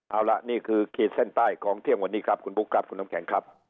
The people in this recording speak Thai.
เอาละนี่คือขีดเส้นใต้ของเที่ยงวันนี้ครับคุณบุ๊คครับคุณน้ำแข็งครับ